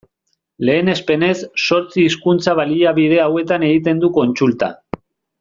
Lehenespenez, zortzi hizkuntza-baliabide hauetan egiten du kontsulta.